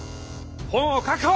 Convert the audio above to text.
本を確保！